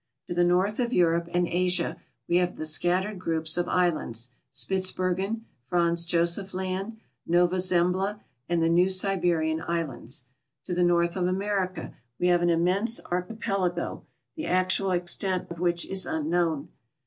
To the north" of Europe and Asia we have the scattered groups of islands. Spits bergen, Franz Josef Land, Nova Zembla, and the New Siberian islands. To the north of America we have an immense archi pelago, the actual extent of which is unknown.